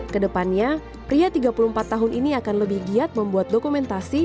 kedepannya pria tiga puluh empat tahun ini akan lebih giat membuat dokumentasi